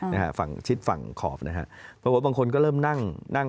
ในฝั่งชิดฝั่งขอบนะคะต้องบอกบางคนก็เริ่มนั่ง